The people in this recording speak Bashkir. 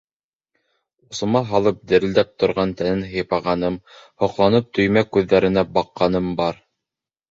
Усыма һалып дерелдәп торған тәнен һыйпағаным, һоҡланып төймә күҙҙәренә баҡҡаным бар.